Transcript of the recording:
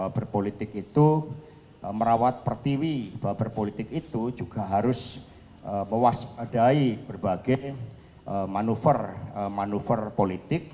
berpolitik itu merawat pertiwi bahwa berpolitik itu juga harus mewaspadai berbagai manuver manuver politik